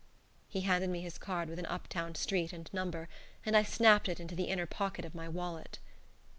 He handed me his card with an up town street and number, and I snapped it into the inner pocket of my wallet.